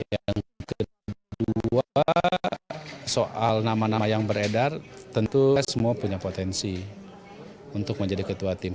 yang kedua soal nama nama yang beredar tentu semua punya potensi untuk menjadi ketua tim